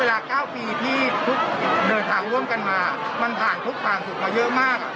แต่เราจะเยอะเวลา๙ปีที่เดินทางร่วมกันมามันผ่านทุกฝ่างสุขมาเยอะมาก